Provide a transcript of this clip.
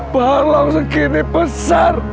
barang segini besar